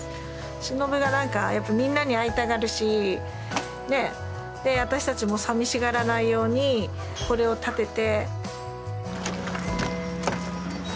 忍がなんかやっぱみんなに会いたがるし私たちもさみしがらないようにこれを建てて。